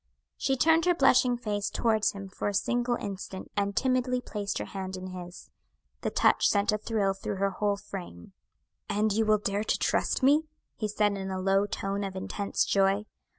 She turned her blushing face towards him for a single instant, and timidly placed her hand in his. The touch sent a thrill through her whole frame. "And you will dare trust me?" he said in a low tone of intense joy.